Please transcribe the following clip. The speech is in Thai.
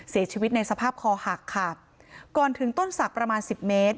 เสียชีวิตในสภาพคอหักค่ะก่อนถึงต้นศักดิ์ประมาณสิบเมตร